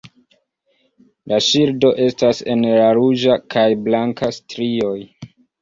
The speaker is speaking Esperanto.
La ŝildo estas en la ruĝa kaj blanka strioj.